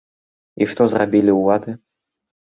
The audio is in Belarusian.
І што зрабілі ўлады?